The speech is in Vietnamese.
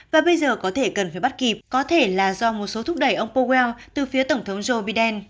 và bây giờ có thể cần phải bắt kịp có thể là do một số thúc đẩy ông powell từ phía tổng thống joe biden